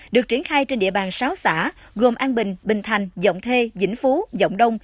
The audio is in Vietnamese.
được triển khai trên địa bàn sáu xã gồm an bình bình thành vọng thê vĩnh phú vọng đông